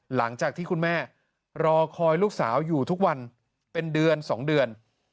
หลังจากที่คุณแม่รอคอยลูกสาวอยู่ทุกวันเป็นเดือน๒เดือน